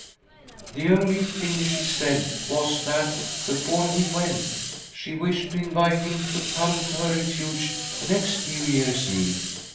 " The only thing she said was that, before he went, she wished to invite him to come to her Refuge next New Year's Eve.